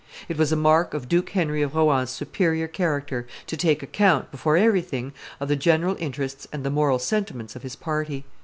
It was a mark of Duke Henry of Rohan's superior character to take account, before everything, of the general interests and the moral sentiments of his party.